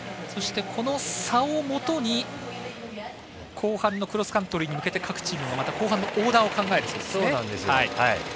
そして、この差をもとに後半のクロスカントリーに向けて各チームは後半のオーダーを考えるんですね。